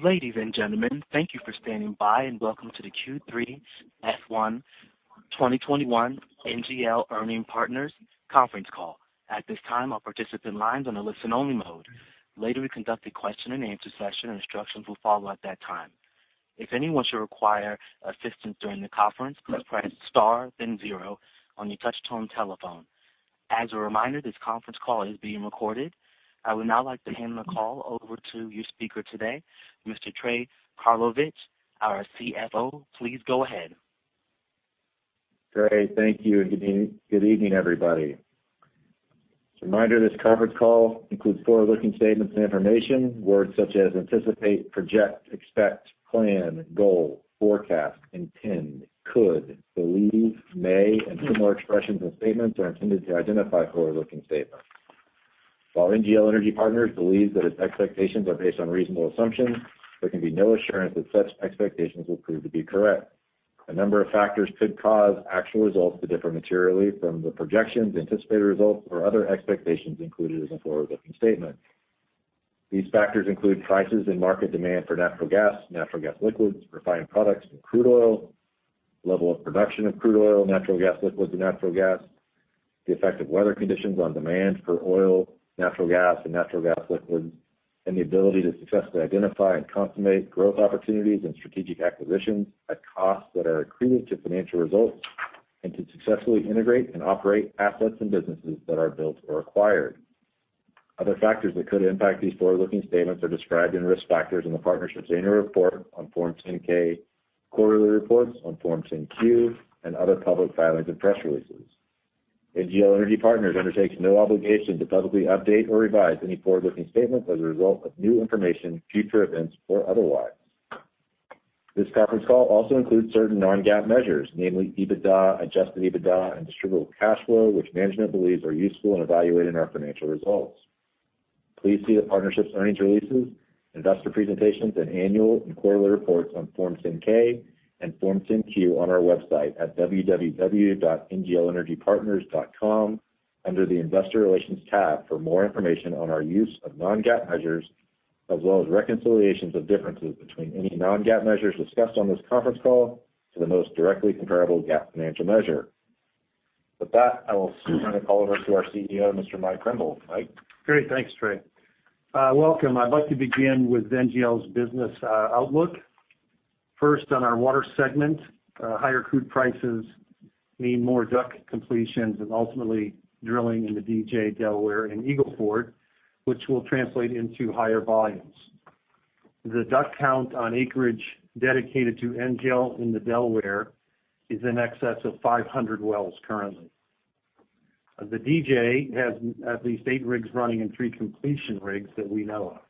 Ladies and gentlemen, thank you for standing by, welcome to the Q3 FY 2021 NGL Energy Partners conference call. At this time, all participant lines are on a listen-only mode. Later, we conduct a question and answer session. Instructions will follow at that time. If anyone should require assistance during the conference, please press star then zero on your touch-tone telephone. As a reminder, this conference call is being recorded. I would now like to hand the call over to your speaker today, Mr. Trey Karlovich, our CFO. Please go ahead. Great, thank you, and good evening, everybody. As a reminder, this conference call includes forward-looking statements and information. Words such as anticipate, project, expect, plan, goal, forecast, intend, could, believe, may, and similar expressions or statements are intended to identify forward-looking statements. While NGL Energy Partners believes that its expectations are based on reasonable assumptions, there can be no assurance that such expectations will prove to be correct. A number of factors could cause actual results to differ materially from the projections, anticipated results, or other expectations included as a forward-looking statement. These factors include prices and market demand for natural gas, natural gas liquids, refined products, and crude oil, level of production of crude oil, natural gas liquids, and natural gas, the effect of weather conditions on demand for oil, natural gas, and natural gas liquids, and the ability to successfully identify and consummate growth opportunities and strategic acquisitions at costs that are accretive to financial results, and to successfully integrate and operate assets and businesses that are built or acquired. Other factors that could impact these forward-looking statements are described in risk factors in the partnership's annual report on Form 10-K, quarterly reports on Form 10-Q, and other public filings and press releases. NGL Energy Partners undertakes no obligation to publicly update or revise any forward-looking statements as a result of new information, future events, or otherwise. This conference call also includes certain non-GAAP measures, namely EBITDA, adjusted EBITDA, and distributable cash flow, which management believes are useful in evaluating our financial results. Please see the partnership's earnings releases, investor presentations, and annual and quarterly reports on Form 10-K and Form 10-Q on our website at www.nglenergypartners.com under the Investor Relations tab for more information on our use of non-GAAP measures, as well as reconciliations of differences between any non-GAAP measures discussed on this conference call to the most directly comparable GAAP financial measure. With that, I will turn the call over to our CEO, Mr. Mike Krimbill. Mike? Great. Thanks, Trey. Welcome. I'd like to begin with NGL's business outlook. First, on our water segment. Higher crude prices mean more DUC completions and ultimately drilling in the DJ, Delaware, and Eagle Ford, which will translate into higher volumes. The DUC count on acreage dedicated to NGL in the Delaware is in excess of 500 wells currently. The DJ has at least eight rigs running and three completion rigs that we know of.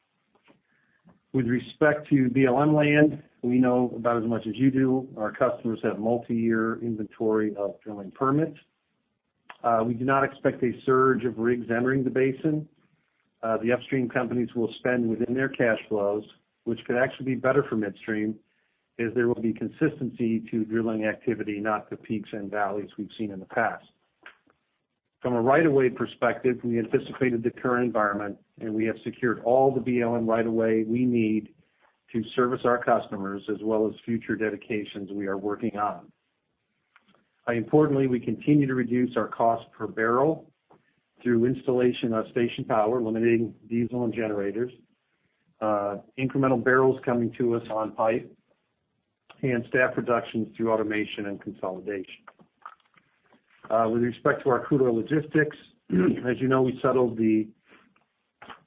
With respect to BLM land, we know about as much as you do. Our customers have multi-year inventory of drilling permits. We do not expect a surge of rigs entering the basin. The upstream companies will spend within their cash flows, which could actually be better for midstream, as there will be consistency to drilling activity, not the peaks and valleys we've seen in the past. From a right of way perspective, we anticipated the current environment, and we have secured all the BLM right-of-way we need to service our customers as well as future dedications we are working on. Importantly, we continue to reduce our cost per barrel through installation of station power, eliminating diesel and generators, incremental barrels coming to us on pipe, and staff reductions through automation and consolidation. With respect to our Crude Oil Logistics, as you know, we settled the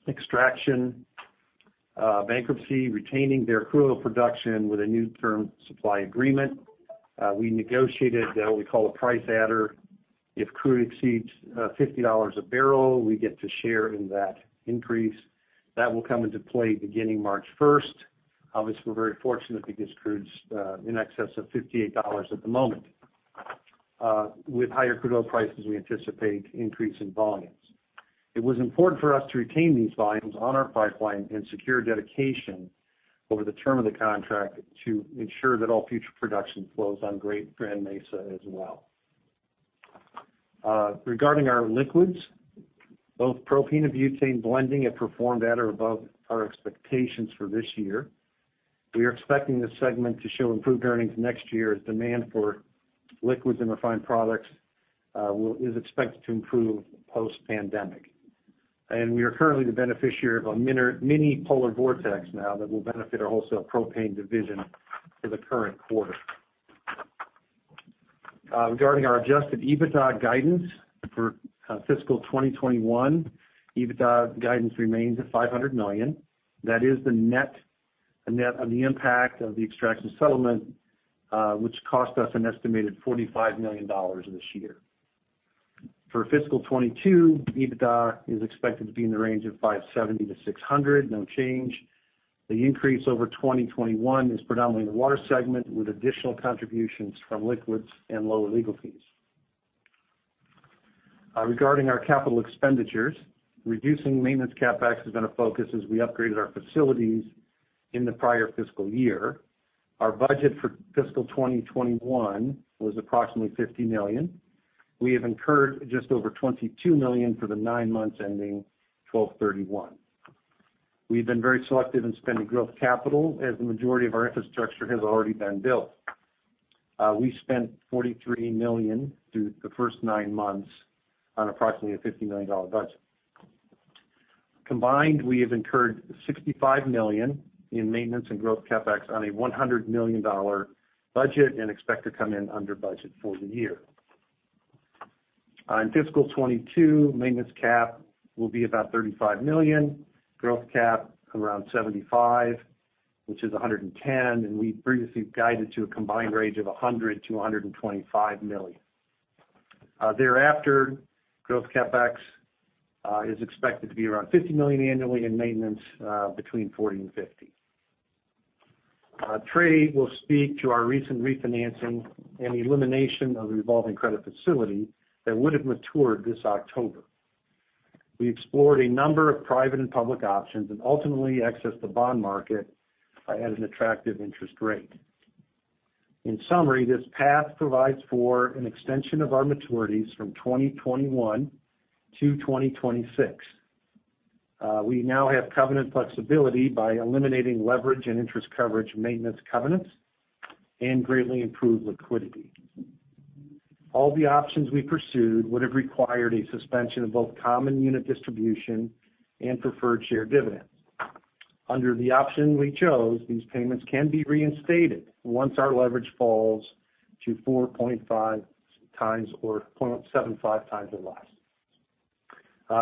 Extraction bankruptcy, retaining their crude oil production with a new term supply agreement. We negotiated what we call a price adder. If crude exceeds $50/bbl, we get to share in that increase. That will come into play beginning March 1st. Obviously, we're very fortunate because crude's in excess of $58 at the moment. With higher crude oil prices, we anticipate increase in volumes. It was important for us to retain these volumes on our pipeline and secure dedication over the term of the contract to ensure that all future production flows on Grand Mesa as well. Regarding our liquids, both propane and butane blending have performed at or above our expectations for this year. We are expecting this segment to show improved earnings next year as demand for liquids and refined products is expected to improve post-pandemic. We are currently the beneficiary of a mini polar vortex now that will benefit our wholesale propane division for the current quarter. Regarding our adjusted EBITDA guidance for fiscal 2021, EBITDA guidance remains at $500 million. That is the net of the impact of the Extraction settlement, which cost us an estimated $45 million this year. For fiscal 2022, EBITDA is expected to be in the range of $570 million-$600 million, no change. The increase over 2021 is predominantly in the water segment, with additional contributions from liquids and lower legal fees. Regarding our capital expenditures, reducing maintenance CapEx has been a focus as we upgraded our facilities in the prior fiscal year. Our budget for fiscal 2021 was approximately $50 million. We have incurred just over $22 million for the nine months ending 12/31. We've been very selective in spending growth capital as the majority of our infrastructure has already been built. We spent $43 million through the first nine months on approximately a $50 million budget. Combined, we have incurred $65 million in maintenance and growth CapEx on a $100 million budget and expect to come in under budget for the year. On fiscal 2022, maintenance cap will be about $35 million, growth cap around $75 million, which is $110 million, and we previously guided to a combined range of $100 million-$125 million. Thereafter, growth CapEx is expected to be around $50 million annually, and maintenance between $40 million and $50 million. Trey will speak to our recent refinancing and the elimination of the revolving credit facility that would have matured this October. We explored a number of private and public options and ultimately accessed the bond market at an attractive interest rate. In summary, this path provides for an extension of our maturities from 2021 to 2026. We now have covenant flexibility by eliminating leverage and interest coverage maintenance covenants, and greatly improved liquidity. All the options we pursued would have required a suspension of both common unit distribution and preferred share dividends. Under the option we chose, these payments can be reinstated once our leverage falls to 4.5x or 4.75x or less.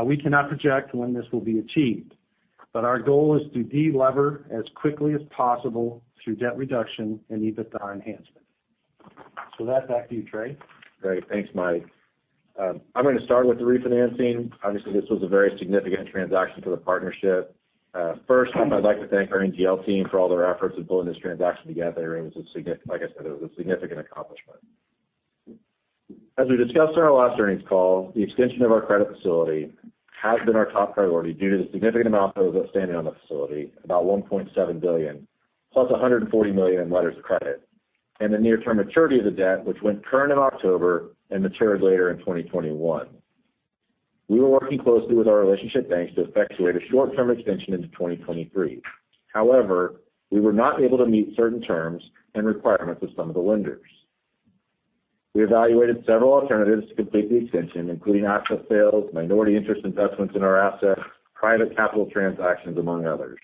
We cannot project when this will be achieved, but our goal is to de-lever as quickly as possible through debt reduction and EBITDA enhancement. With that, back to you, Trey. Great. Thanks, Mike. I'm going to start with the refinancing. Obviously, this was a very significant transaction for the partnership. First, I'd like to thank our NGL team for all their efforts in pulling this transaction together. Like I said, it was a significant accomplishment. As we discussed on our last earnings call, the extension of our credit facility has been our top priority due to the significant amount that was outstanding on the facility, about $1.7 billion, plus $140 million in letters of credit, and the near-term maturity of the debt, which went current in October and matured later in 2021. We were working closely with our relationship banks to effectuate a short-term extension into 2023. However, we were not able to meet certain terms and requirements of some of the lenders. We evaluated several alternatives to complete the extension, including asset sales, minority interest investments in our assets, private capital transactions, among others.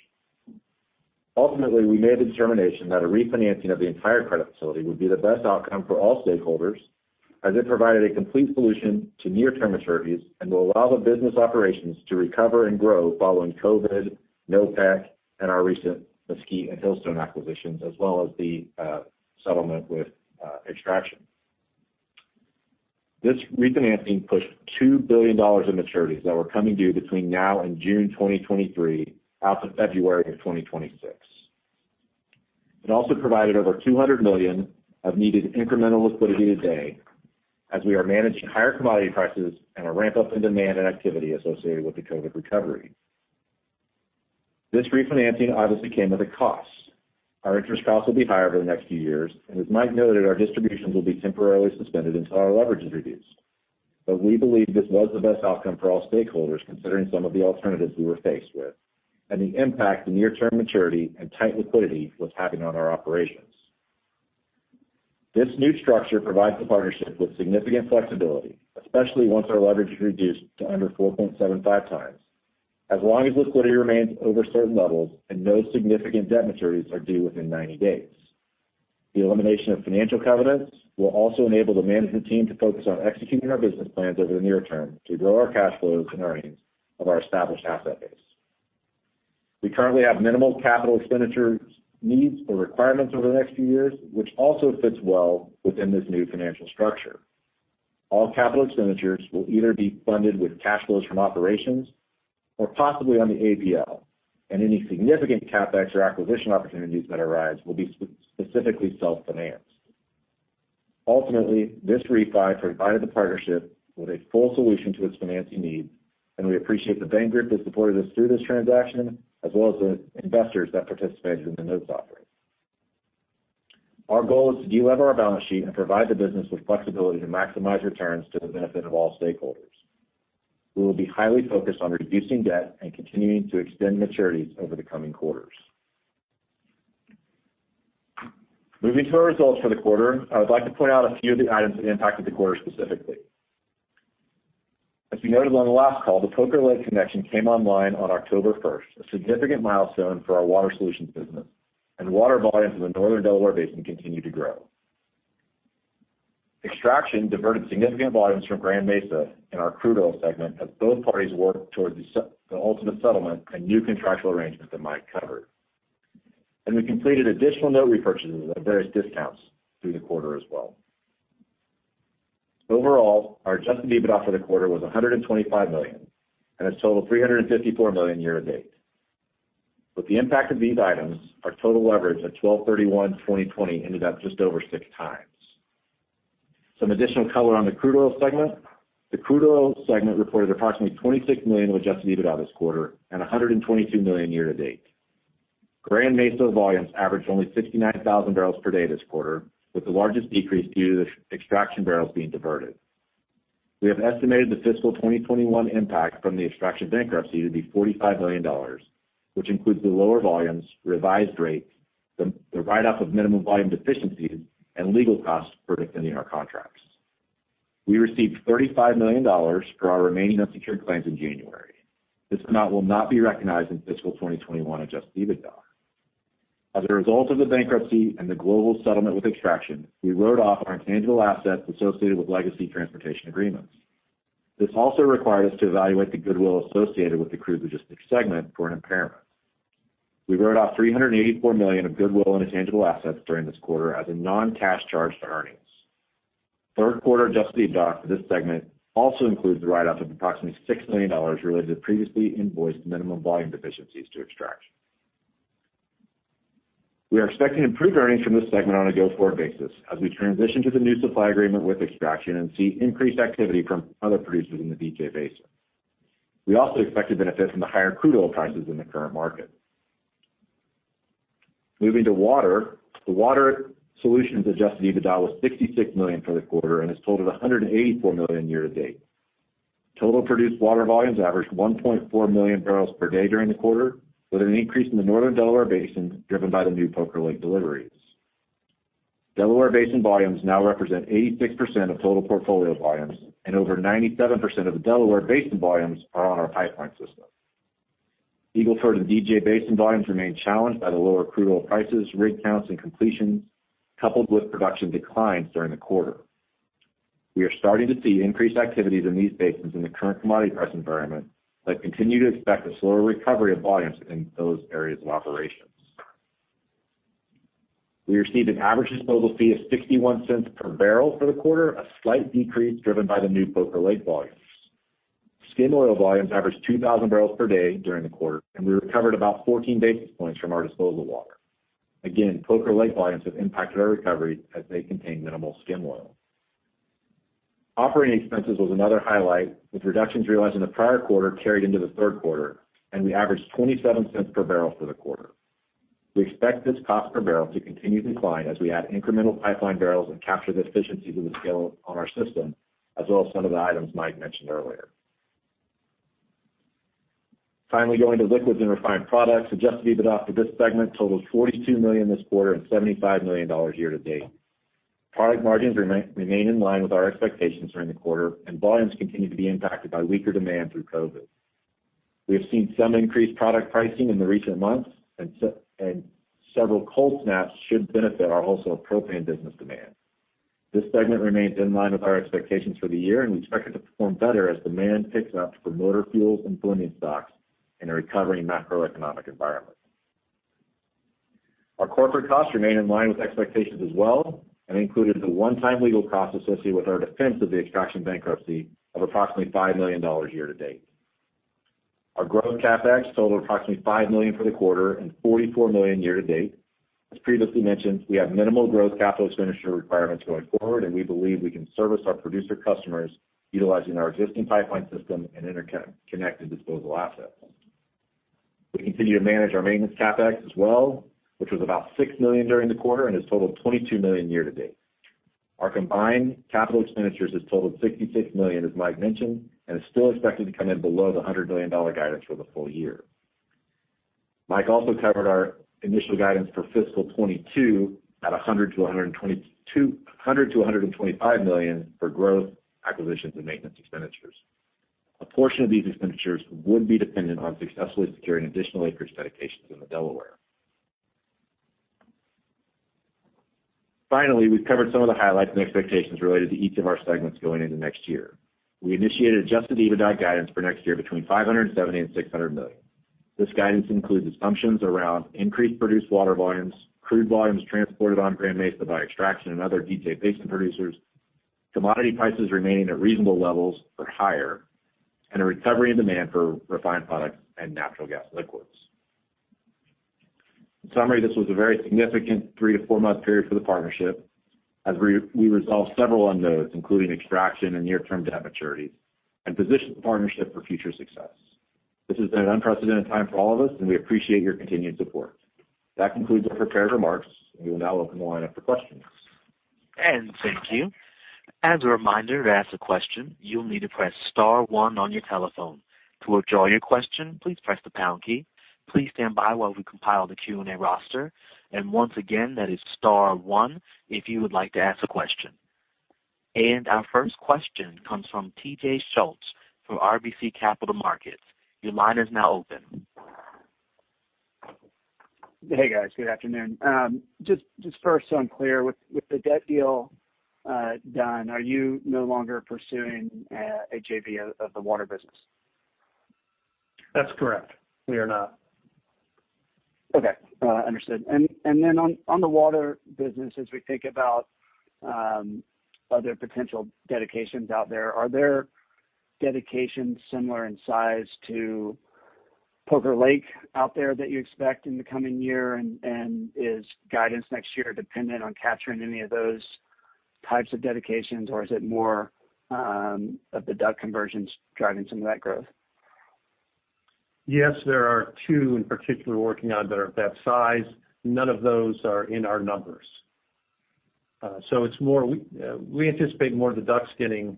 Ultimately, we made the determination that a refinancing of the entire credit facility would be the best outcome for all stakeholders, as it provided a complete solution to near-term maturities and will allow the business operations to recover and grow following COVID, NOPEC, and our recent Mesquite and Hillstone acquisitions, as well as the settlement with Extraction. This refinancing pushed $2 billion of maturities that were coming due between now and June 2023 out to February of 2026. It also provided over $200 million of needed incremental liquidity today as we are managing higher commodity prices and a ramp-up in demand and activity associated with the COVID recovery. This refinancing obviously came with a cost. Our interest costs will be higher over the next few years. As Mike noted, our distributions will be temporarily suspended until our leverage is reduced. We believe this was the best outcome for all stakeholders, considering some of the alternatives we were faced with and the impact the near-term maturity and tight liquidity was having on our operations. This new structure provides the partnership with significant flexibility, especially once our leverage is reduced to under 4.75x, as long as liquidity remains over certain levels and no significant debt maturities are due within 90 days. The elimination of financial covenants will also enable the management team to focus on executing our business plans over the near term to grow our cash flows and earnings of our established asset base. We currently have minimal capital expenditure needs or requirements over the next few years, which also fits well within this new financial structure. All capital expenditures will either be funded with cash flows from operations or possibly on the ABL, any significant CapEx or acquisition opportunities that arise will be specifically self-financed. Ultimately, this refi provided the partnership with a full solution to its financing needs, and we appreciate the bank group that supported us through this transaction, as well as the investors that participated in the notes offering. Our goal is to de-lever our balance sheet and provide the business with flexibility to maximize returns to the benefit of all stakeholders. We will be highly focused on reducing debt and continuing to extend maturities over the coming quarters. Moving to our results for the quarter, I would like to point out a few of the items that impacted the quarter specifically. As we noted on the last call, the Poker Lake connection came online on October 1st, a significant milestone for our Water Solutions business. Water volumes in the northern Delaware Basin continue to grow. Extraction diverted significant volumes from Grand Mesa in our Crude Oil segment as both parties work towards the ultimate settlement and new contractual arrangement that Mike covered. We completed additional note repurchases at various discounts through the quarter as well. Overall, our adjusted EBITDA for the quarter was $125 million, and a total $354 million year to date. With the impact of these items, our total leverage at 12/31/2020 ended up just over 6x. Some additional color on the Crude Oil segment. The Crude Oil segment reported approximately $26 million of adjusted EBITDA this quarter and $122 million year-to-date. Grand Mesa volumes averaged only 69,000 bbl per day this quarter, with the largest decrease due to the Extraction barrels being diverted. We have estimated the fiscal 2021 impact from the Extraction bankruptcy to be $45 million, which includes the lower volumes, revised rates, the write-off of minimum volume deficiencies, and legal costs for defending our contracts. We received $35 million for our remaining unsecured claims in January. This amount will not be recognized in fiscal 2021 adjusted EBITDA. As a result of the bankruptcy and the global settlement with Extraction, we wrote off our intangible assets associated with legacy transportation agreements. This also required us to evaluate the goodwill associated with the Crude Logistics segment for an impairment. We wrote off $384 million of goodwill and intangible assets during this quarter as a non-cash charge to earnings. Third quarter adjusted EBITDA for this segment also includes the write-off of approximately $6 million related to previously invoiced minimum volume deficiencies to Extraction. We are expecting improved earnings from this segment on a go-forward basis as we transition to the new supply agreement with Extraction and see increased activity from other producers in the DJ Basin. We also expect to benefit from the higher crude oil prices in the current market. Moving to water. The Water Solutions adjusted EBITDA was $66 million for the quarter and has totaled $184 million year to date. Total produced water volumes averaged 1.4 million bbl per day during the quarter, with an increase in the northern Delaware Basin, driven by the new Poker Lake deliveries. Delaware Basin volumes now represent 86% of total portfolio volumes, and over 97% of the Delaware Basin volumes are on our pipeline system. Eagle Ford and DJ Basin volumes remain challenged by the lower crude oil prices, rig counts, and completions, coupled with production declines during the quarter. We are starting to see increased activities in these basins in the current commodity price environment, but continue to expect a slower recovery of volumes in those areas of operations. We received an average disposal fee of $0.61/bbl for the quarter, a slight decrease driven by the new Poker Lake volumes. Skim oil volumes averaged 2,000 bbl per day during the quarter, and we recovered about 14 basis points from our disposal water. Again, Poker Lake volumes have impacted our recovery as they contain minimal skim oil. Operating expenses was another highlight, with reductions realized in the prior quarter carried into the third quarter, and we averaged $0.27/bbl for the quarter. We expect this cost per barrel to continue to decline as we add incremental pipeline barrels and capture the efficiencies of the scale on our system, as well as some of the items Mike mentioned earlier. Finally, going to Liquids and Refined Products, adjusted EBITDA for this segment totaled $42 million this quarter and $75 million year to date. Product margins remain in line with our expectations during the quarter, and volumes continue to be impacted by weaker demand through COVID. We have seen some increased product pricing in the recent months, and several cold snaps should benefit our wholesale propane business demand. This segment remains in line with our expectations for the year, and we expect it to perform better as demand picks up for motor fuels and blending stocks in a recovering macroeconomic environment. Our corporate costs remain in line with expectations as well and included the one-time legal cost associated with our defense of the Extraction bankruptcy of approximately $5 million year to date. Our growth CapEx totaled approximately $5 million for the quarter and $44 million year to date. As previously mentioned, we have minimal growth capital expenditure requirements going forward, and we believe we can service our producer customers utilizing our existing pipeline system and interconnected disposal assets. We continue to manage our maintenance CapEx as well, which was about $6 million during the quarter and has totaled $22 million year to date. Our combined capital expenditures have totaled $66 million, as Mike mentioned, and is still expected to come in below the $100 million guidance for the full year. Mike also covered our initial guidance for fiscal 2022 at $100 million-$125 million for growth, acquisitions, and maintenance expenditures. A portion of these expenditures would be dependent on successfully securing additional acreage dedications in the Delaware. Finally, we've covered some of the highlights and expectations related to each of our segments going into next year. We initiated adjusted EBITDA guidance for next year between $570 million and $600 million. This guidance includes assumptions around increased produced water volumes, crude volumes transported on Grand Mesa by Extraction and other DJ Basin producers, commodity prices remaining at reasonable levels or higher, and a recovery in demand for refined products and natural gas liquids. In summary, this was a very significant three to four-month period for the partnership as we resolved several unknowns, including Extraction and near-term debt maturities, and positioned the partnership for future success. This has been an unprecedented time for all of us, and we appreciate your continued support. That concludes our prepared remarks. We will now open the line up for questions. Thank you. As a reminder, to ask a question, you'll need to press star one on your telephone. To withdraw your question, please press the pound key. Please stand by while we compile the Q&A roster. Once again, that is star one if you would like to ask a question. Our first question comes from T.J. Schultz from RBC Capital Markets. Your line is now open. Hey, guys. Good afternoon. Just first, so I'm clear. With the debt deal done, are you no longer pursuing a JV of the water business? That's correct. We are not. Okay. Understood. On the water business, as we think about other potential dedications out there, are there dedications similar in size to Poker Lake out there that you expect in the coming year? Is guidance next year dependent on capturing any of those types of dedications, or is it more of the DUC conversions driving some of that growth? Yes, there are two in particular we're working on that are of that size. None of those are in our numbers. We anticipate more of the DUCs getting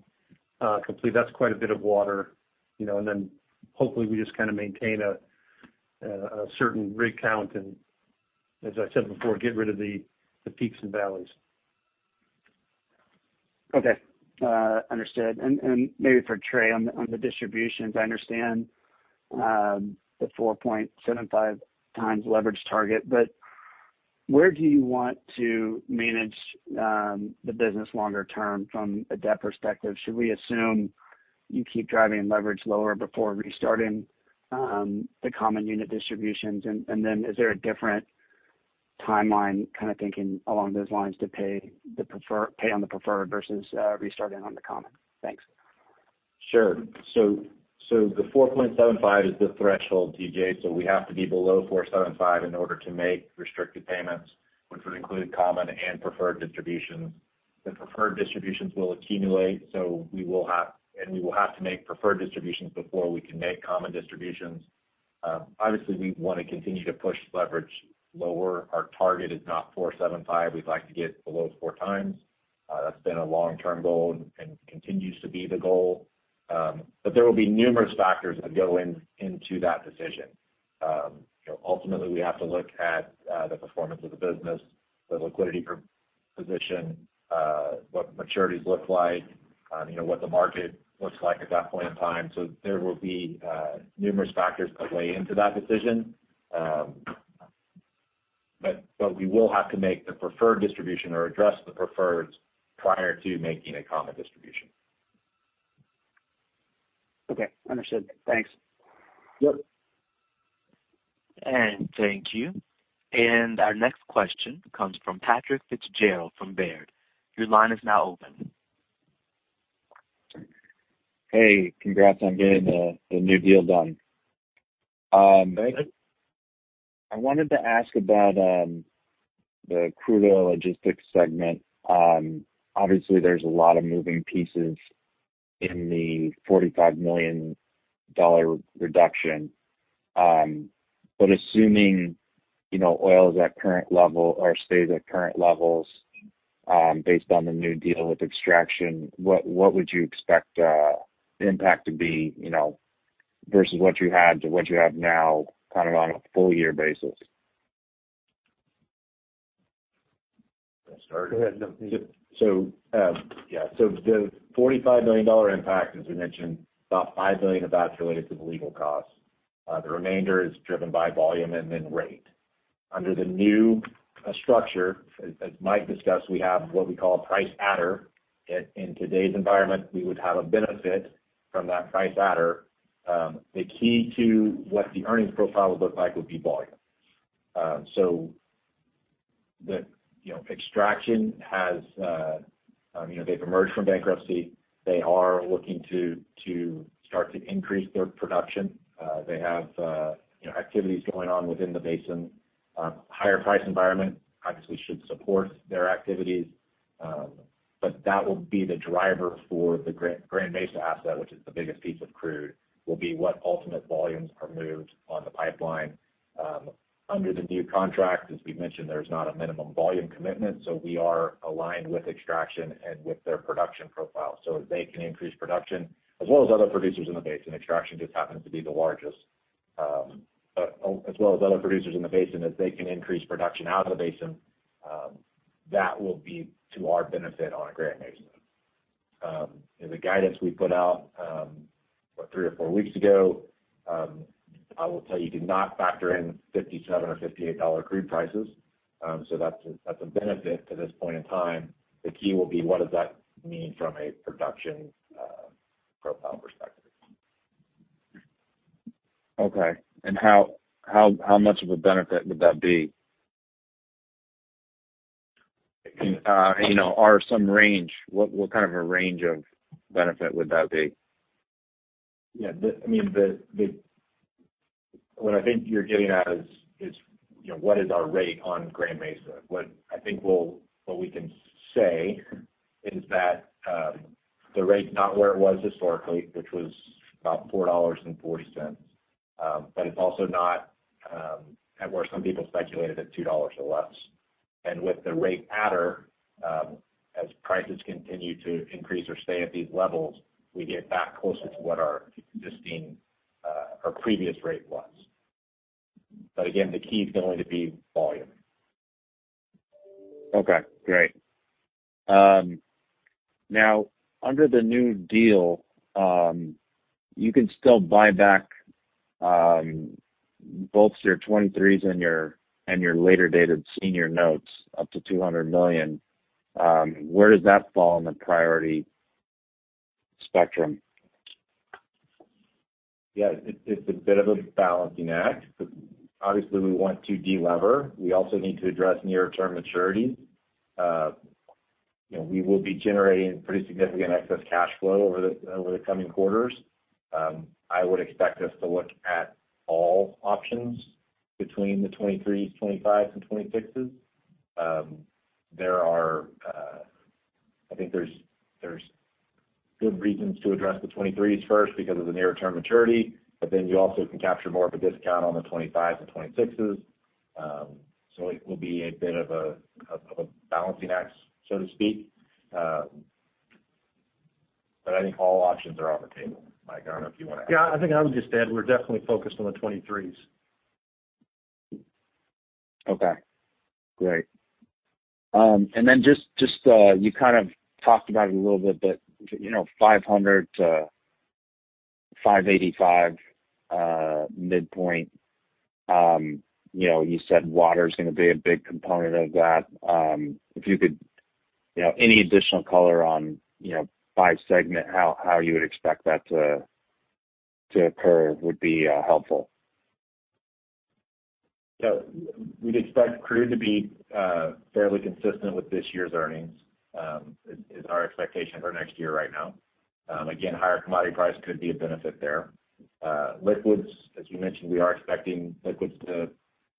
complete. That's quite a bit of water. Hopefully we just maintain a certain rig count and, as I said before, get rid of the peaks and valleys. Okay. Understood. Maybe for Trey, on the distributions, I understand the 4.75x leverage target, but where do you want to manage the business longer term from a debt perspective? Should we assume you keep driving leverage lower before restarting the common unit distributions? Is there a different timeline, kind of thinking along those lines to pay on the preferred versus restarting on the common? Thanks. Sure. The 4.75x is the threshold, T.J., so we have to be below 4.75x in order to make restricted payments, which would include common and preferred distributions. The preferred distributions will accumulate, and we will have to make preferred distributions before we can make common distributions. Obviously, we want to continue to push leverage lower. Our target is not 4.75x. We'd like to get below 4x. That's been a long-term goal and continues to be the goal. There will be numerous factors that go into that decision. Ultimately, we have to look at the performance of the business, the liquidity position, what maturities look like, what the market looks like at that point in time. There will be numerous factors that weigh into that decision. We will have to make the preferred distribution or address the preferred prior to making a common distribution. Okay, understood. Thanks. Yep. Thank you. Our next question comes from Patrick Fitzgerald from Baird. Hey, congrats on getting the new deal done. Thanks. I wanted to ask about the Crude Oil Logistics segment. Obviously, there's a lot of moving pieces in the $45 million reduction. Assuming oil stays at current levels based on the new deal with Extraction, what would you expect the impact to be, versus what you had to what you have now on a full year basis? Want to start? No. Go ahead. The $45 million impact, as we mentioned, about $5 million of that is related to the legal costs. The remainder is driven by volume and then rate. Under the new structure, as Mike discussed, we have what we call a price adder. In today's environment, we would have a benefit from that price adder. The key to what the earnings profile would look like would be volume. Extraction, they've emerged from bankruptcy. They are looking to start to increase their production. They have activities going on within the basin. Higher price environment obviously should support their activities. That will be the driver for the Grand Mesa asset, which is the biggest piece of crude, will be what ultimate volumes are moved on the pipeline. Under the new contract, as we mentioned, there's not a minimum volume commitment, so we are aligned with Extraction and with their production profile. They can increase production, as well as other producers in the basin. Extraction just happens to be the largest. As well as other producers in the basin, if they can increase production out of the basin, that will be to our benefit on Grand Mesa. In the guidance we put out, what, three or four weeks ago, I will tell you, did not factor in $57 or $58 crude prices. That's a benefit to this point in time. The key will be, what does that mean from a production profile perspective? Okay. How much of a benefit would that be? Some range. What kind of a range of benefit would that be? What I think you're getting at is what is our rate on Grand Mesa? What I think what we can say is that the rate is not where it was historically, which was about $4.40. It's also not at where some people speculated, at $2 or less. With the rate adder, as prices continue to increase or stay at these levels, we get back closer to what our existing or previous rate was. Again, the key is going to be volume. Okay, great. Now, under the new deal, you can still buy back both your 2023s and your later dated senior notes up to $200 million. Where does that fall in the priority spectrum? Yeah. It's a bit of a balancing act. Obviously, we want to de-lever. We also need to address near-term maturity. We will be generating pretty significant excess cash flow over the coming quarters. I would expect us to look at all options between the 2023s, 2025s, and 2026s. I think there's good reasons to address the 2023s first because of the near-term maturity. You also can capture more of a discount on the 2025s and 2026s. It will be a bit of a balancing act, so to speak. I think all options are on the table. Mike, I don't know if you want to add. I think I would just add, we're definitely focused on the 2023s. Okay, great. You kind of talked about it a little bit, $500 million-$585 million midpoint. You said water's going to be a big component of that. If you could, any additional color on, by segment how you would expect that to occur would be helpful. We'd expect Crude to be fairly consistent with this year's earnings, is our expectation for next year right now. Again, higher commodity price could be a benefit there. Liquids, as you mentioned, we are expecting Liquids to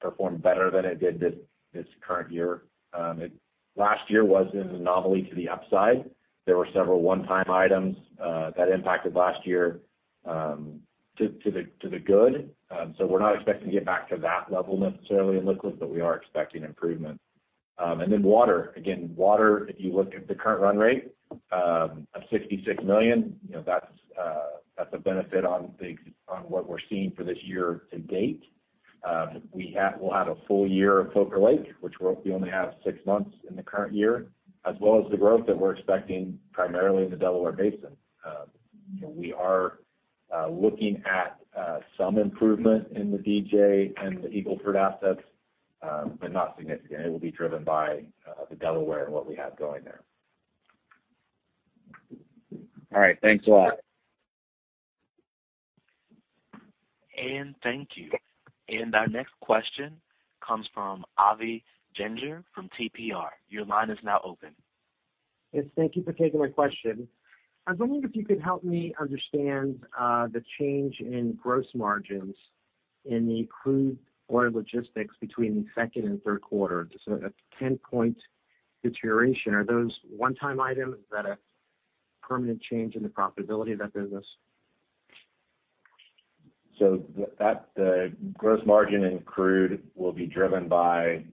perform better than it did this current year. Last year was an anomaly to the upside. There were several one-time items that impacted last year to the good. We're not expecting to get back to that level necessarily in Liquids, but we are expecting improvement. Water, again, Water, if you look at the current run rate of $66 million, that's a benefit on what we're seeing for this year to date. We'll have a full year of Poker Lake, which we only have six months in the current year, as well as the growth that we're expecting primarily in the Delaware Basin. We are looking at some improvement in the DJ and the Eagle Ford assets, but not significant. It will be driven by the Delaware and what we have going there. All right, thanks a lot. Thank you. Our next question comes from [Avi Ginger] from TPR. Your line is now open. Yes, thank you for taking my question. I was wondering if you could help me understand the change in gross margins in the Crude Oil Logistics between the second and third quarter. Just a 10-point deterioration. Are those one-time items? Is that a permanent change in the profitability of that business? The gross margin in Crude will be driven by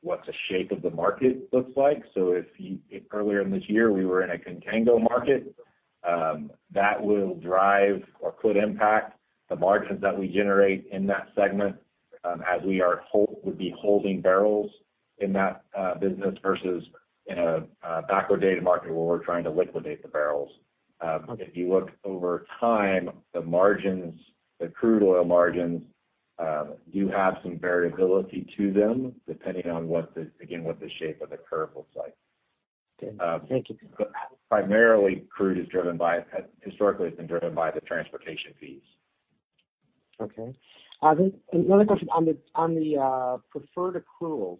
what the shape of the market looks like. If earlier in this year we were in a contango market, that will drive or could impact the margins that we generate in that segment as we would be holding barrels in that business versus in a backward-dated market where we're trying to liquidate the barrels. Okay. If you look over time, the margins, the crude oil margins, do have some variability to them depending on what the, again, what the shape of the curve looks like. Okay. Thank you. Primarily, Crude has historically been driven by the transportation fees. Okay. I think another question on the preferred accruals.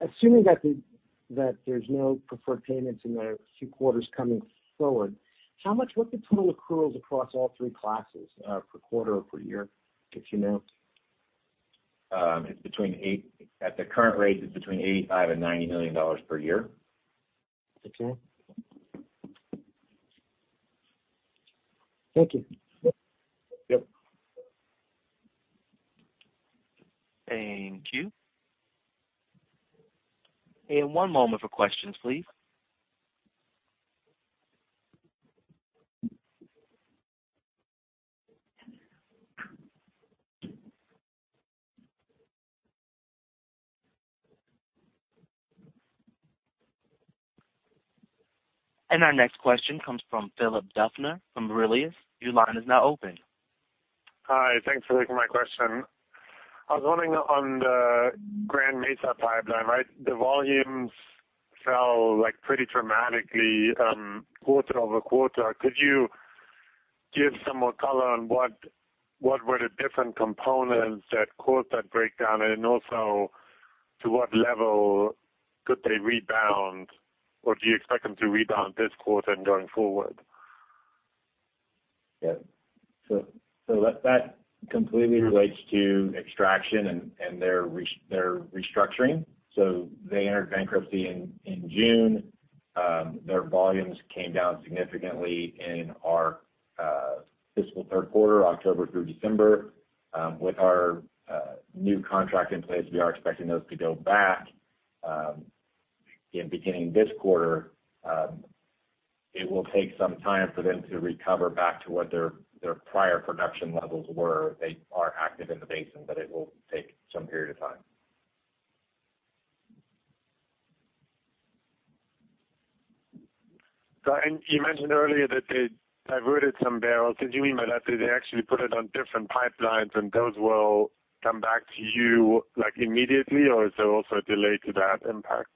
Assuming that there's no preferred payments in the few quarters coming forward, how much were the total accruals across all three classes per quarter or per year, if you know? At the current rate, it's between $85 million and $90 million per year. Okay. Thank you. Yep. Thank you. One moment for questions, please. Our next question comes from Philipp Duffner from Aurelius. Your line is now open. Hi. Thanks for taking my question. I was wondering on the Grand Mesa pipeline. The volumes fell pretty dramatically quarter-over-quarter. Could you give some more color on what were the different components that caused that breakdown? Also to what level could they rebound, or do you expect them to rebound this quarter and going forward? That completely relates to Extraction and their restructuring. They entered bankruptcy in June. Their volumes came down significantly in our fiscal third quarter, October through December. With our new contract in place, we are expecting those to go back beginning this quarter. It will take some time for them to recover back to what their prior production levels were. They are active in the basin, but it will take some period of time. You mentioned earlier that they diverted some barrels. Did you mean by that, did they actually put it on different pipelines and those will come back to you immediately, or is there also a delay to that impact?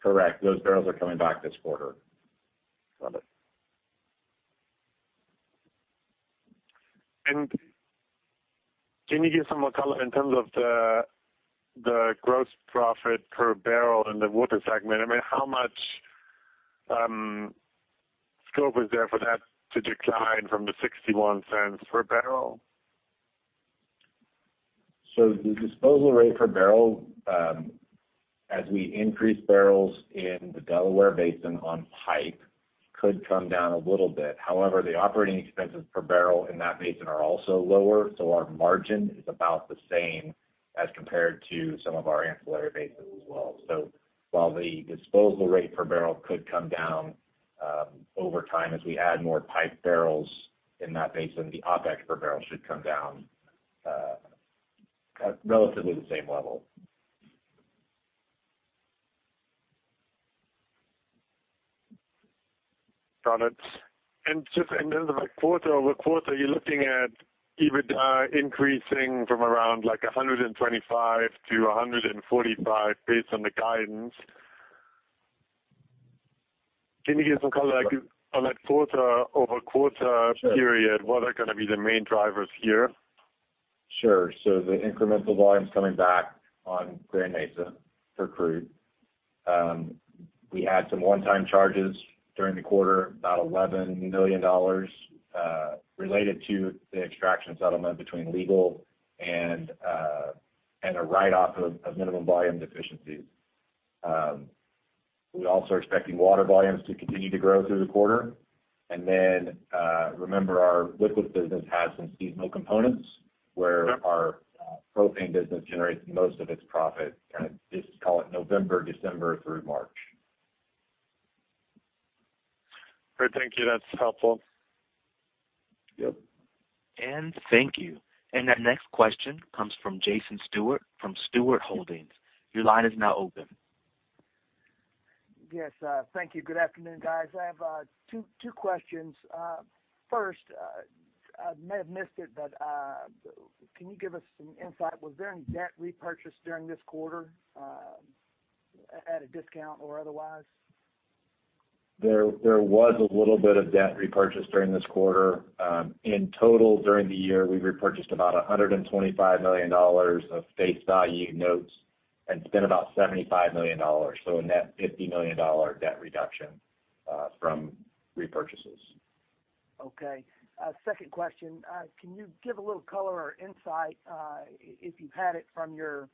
Correct. Those barrels are coming back this quarter. Got it. Can you give some more color in terms of the gross profit per barrel in the water segment? I mean, how much scope is there for that to decline from the $0.61/bbl? The disposal rate per barrel, as we increase barrels in the Delaware Basin on pipe, could come down a little bit. However, the operating expenses per barrel in that basin are also lower, so our margin is about the same as compared to some of our ancillary bases as well. While the disposal rate per barrel could come down over time as we add more pipe barrels in that basin, the OpEx per barrel should come down at relatively the same level. Got it. Just in terms of quarter-over-quarter, you're looking at EBITDA increasing from around like $125 million to $145 million based on the guidance. Can you give some color on that quarter-over-quarter period? Sure. What are going to be the main drivers here? Sure. The incremental volumes coming back on Grand Mesa for crude. We had some one-time charges during the quarter, about $11 million, related to the Extraction settlement between legal and a write-off of minimum volume deficiencies. We also are expecting water volumes to continue to grow through the quarter. Remember our liquids business has some seasonal components. Yep. Where our propane business generates most of its profit, kind of, just call it November, December through March. Great. Thank you. That's helpful. Yep. Thank you. Our next question comes from Jason Stewart from Stewart Holdings. Your line is now open. Yes, thank you. Good afternoon, guys. I have two questions. First, I may have missed it, but can you give us some insight, was there any debt repurchase during this quarter at a discount or otherwise? There was a little bit of debt repurchase during this quarter. In total, during the year, we repurchased about $125 million of face value notes and spent about $75 million. A net $50 million debt reduction from repurchases. Okay. Second question. Can you give a little color or insight, if you've had it from your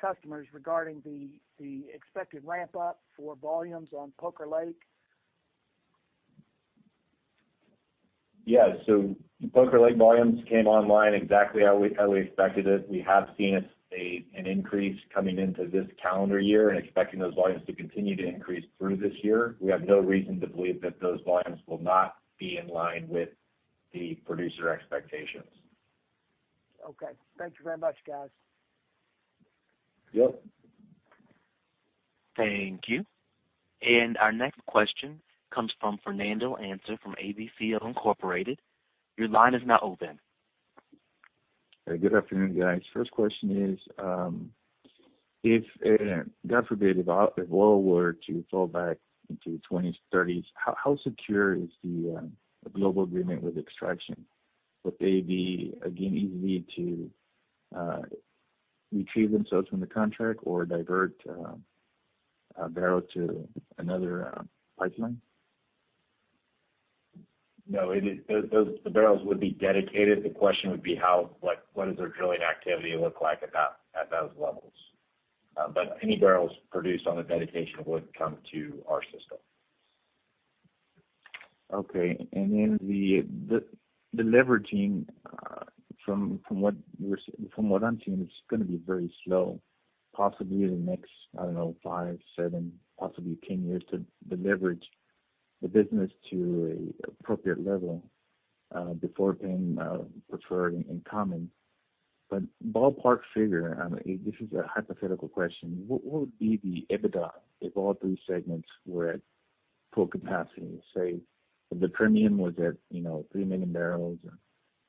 customers regarding the expected ramp-up for volumes on Poker Lake? Yeah. Poker Lake volumes came online exactly how we expected it. We have seen an increase coming into this calendar year and expecting those volumes to continue to increase through this year. We have no reason to believe that those volumes will not be in line with the producer expectations. Okay. Thank you very much, guys. Yep. Thank you. Our next question comes from Fernando [Ancer] from [ABCO] Incorporated. Your line is now open. Hey, good afternoon, guys. First question is, if, God forbid, if oil were to fall back into $20s, $30s, how secure is the global agreement with Extraction? Would they be, again, easy to retrieve themselves from the contract or divert a barrel to another pipeline? No, the barrels would be dedicated. The question would be what does their drilling activity look like at those levels? Any barrels produced on the dedication would come to our system. Okay. The leveraging, from what I'm seeing, is going to be very slow, possibly the next, I don't know, five, seven, possibly 10 years to leverage the business to an appropriate level before paying preferred in common. Ballpark figure, this is a hypothetical question. What would be the EBITDA if all three segments were at full capacity? Say the Permian was at 3 million barrels, and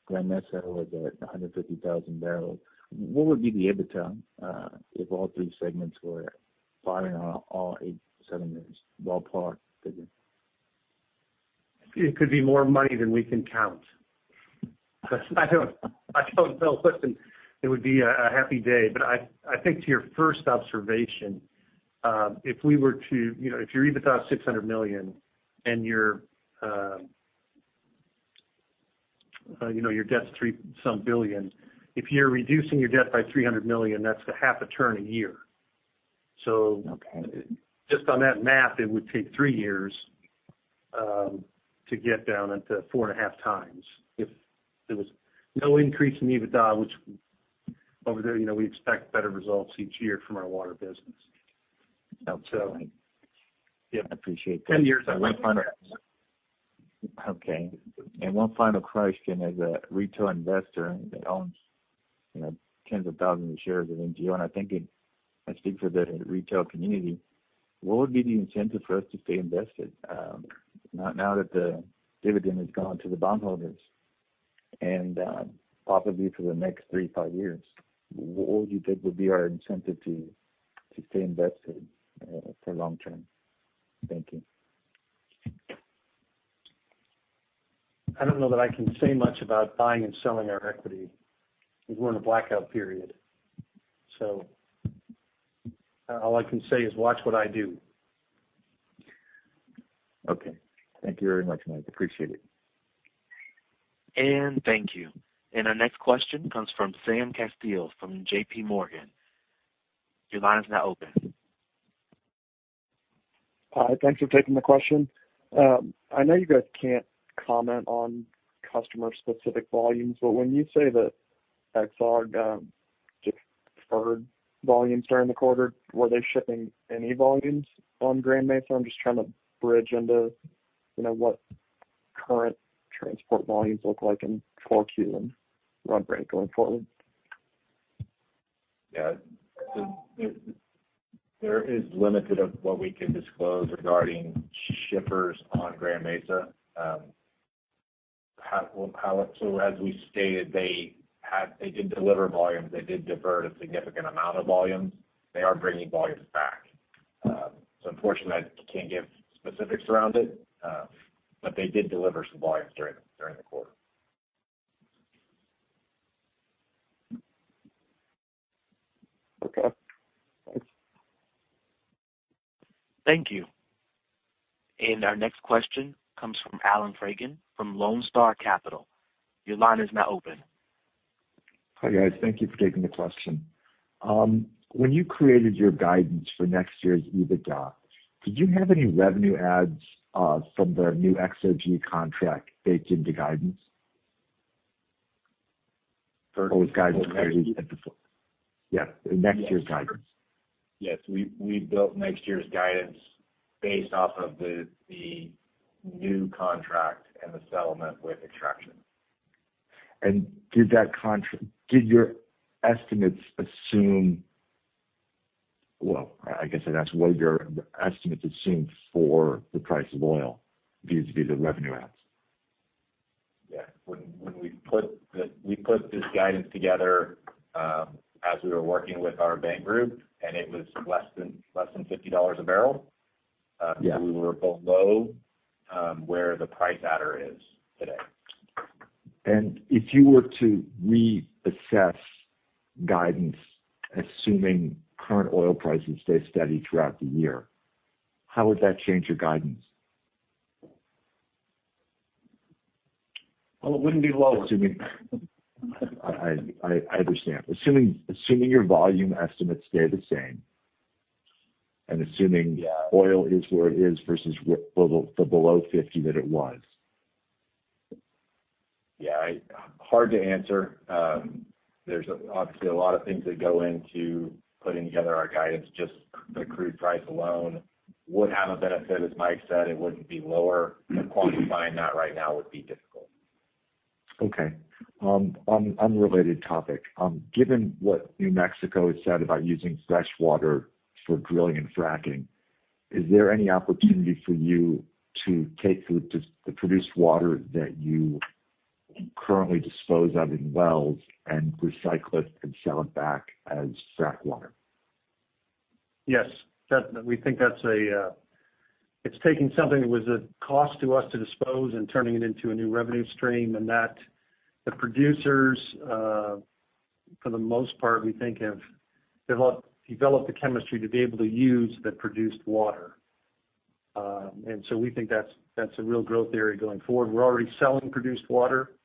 Grand Mesa was at 150,000 barrels. What would be the EBITDA, if all three segments were firing on all eight cylinders? Ballpark figure. It could be more money than we can count. I don't know. Listen, it would be a happy day. I think to your first observation, if your EBITDA is $600 million and your debt is $3 billion, if you're reducing your debt by $300 million, that's a half a turn a year. Okay. Just on that math, it would take three years to get down into 4.5x. If there was no increase in EBITDA, which over there, we expect better results each year from our water business. Okay. Yep. I appreciate that. 10 years at most. Okay. One final question. As a retail investor that owns tens of thousands of shares of NGL, and I think I speak for the retail community, what would be the incentive for us to stay invested now that the dividend has gone to the bond holders and possibly for the next three to five years? What would be our incentive to stay invested for long term? Thank you. I don't know that I can say much about buying and selling our equity because we're in a blackout period. All I can say is watch what I do. Okay. Thank you very much, Mike. Appreciate it. Thank you. Our next question comes from [Sam Castiel] from JPMorgan. Your line is now open. Hi, thanks for taking the question. I know you guys can't comment on customer-specific volumes, but when you say that's all the deferred volumes during the quarter, were they shipping any volumes on Grand Mesa? I'm just trying to bridge into what current transport volumes look like in 4Q and run rate going forward. Yeah. There is limited of what we can disclose regarding shippers on Grand Mesa. As we stated, they did deliver volumes. They did divert a significant amount of volumes. They are bringing volumes back. Unfortunately, I can't give specifics around it. They did deliver some volumes during the quarter. Okay. Thanks. Thank you. Our next question comes from [Alan Fragan] from Lonestar Capital. Your line is now open. Hi, guys. Thank you for taking the question. When you created your guidance for next year's EBITDA, did you have any revenue adds from the new XOG contract baked into guidance? For next year? Was guidance created? Yeah. Next year's guidance. Yes. We built next year's guidance based off of the new contract and the settlement with Extraction. Did your estimates assume, well, I guess I'd ask what your estimates assume for the price of oil vis-a-vis the revenue adds? Yeah. When we put this guidance together as we were working with our bank group, and it was less than $50/bbl. Yeah. We were below where the price adder is today. If you were to reassess guidance, assuming current oil prices stay steady throughout the year, how would that change your guidance? Well, it wouldn't be lower. I understand. Assuming your volume estimates stay the same. Yeah. Oil is where it is versus the below $50 that it was. Yeah. Hard to answer. There's obviously a lot of things that go into putting together our guidance. Just the crude price alone would have a benefit, as Mike said, it wouldn't be lower. To quantify that right now would be difficult. Okay. On unrelated topic. Given what New Mexico has said about using fresh water for drilling and fracking, is there any opportunity for you to take the produced water that you currently dispose of in wells and recycle it and sell it back as frack water? Yes. It's taking something that was a cost to us to dispose and turning it into a new revenue stream, that the producers, for the most part, we think have developed the chemistry to be able to use the produced water. We think that's a real growth area going forward. We're already selling produced water.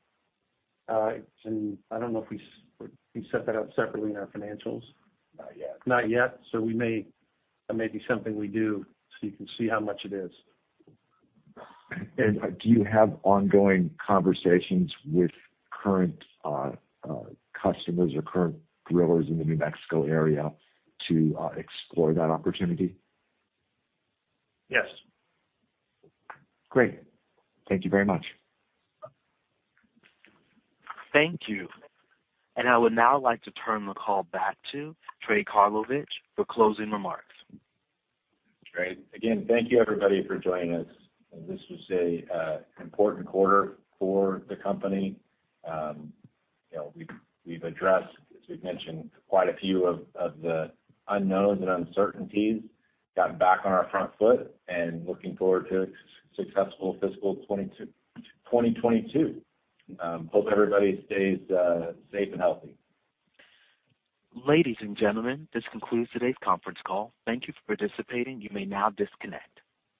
I don't know if we set that up separately in our financials. Not yet. Not yet. That may be something we do, so you can see how much it is. Do you have ongoing conversations with current customers or current drillers in the New Mexico area to explore that opportunity? Yes. Great. Thank you very much. Thank you. I would now like to turn the call back to Trey Karlovich for closing remarks. Great. Again, thank you everybody for joining us. This was an important quarter for the company. We've addressed, as we've mentioned, quite a few of the unknowns and uncertainties, gotten back on our front foot, and looking forward to a successful fiscal 2022. Hope everybody stays safe and healthy. Ladies and gentlemen, this concludes today's conference call. Thank you for participating. You may now disconnect.